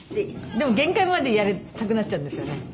でも限界までやりたくなっちゃうんですよね。